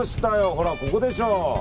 ほら、ここでしょ。